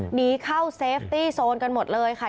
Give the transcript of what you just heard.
หนีเข้าเซฟตี้โซนกันหมดเลยค่ะ